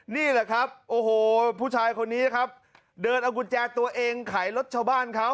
นี่แหละครับโอ้โหผู้ชายคนนี้นะครับเดินเอากุญแจตัวเองขายรถชาวบ้านเขา